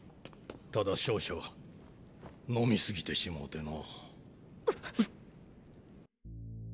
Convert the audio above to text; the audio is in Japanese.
ただ少々飲みすぎてしもうての。っ！！